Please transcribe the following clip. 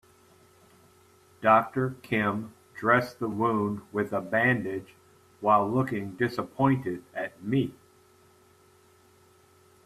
Doctor Kim dressed the wound with a bandage while looking disappointed at me.